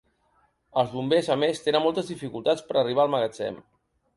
Els bombers, a més, tenen moltes dificultats per arribar al magatzem.